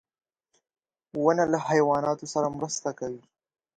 • ونه له حیواناتو سره مرسته کوي.